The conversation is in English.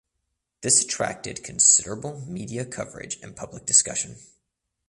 This attracted considerable media coverage and public discussion.